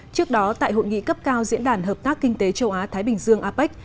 trước đó tại hội nghị cấp cao diễn đàn hợp tác kinh tế châu á thái bình dương apec